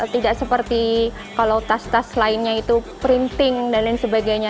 tidak seperti kalau tas tas lainnya itu printing dan lain sebagainya